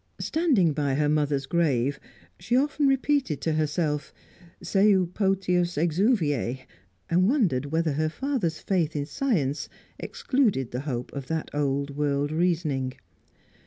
Standing by her mother's grave, she often repeated to herself "seu potius exuviae," and wondered whether her father's faith in science excluded the hope of that old world reasoning.